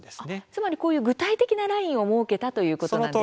つまりこういう具体的なラインを設けたということなんですね。